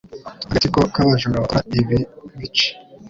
Agatsiko k'abajura bakora ibi bice.